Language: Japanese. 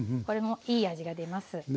これもいい味が出ます。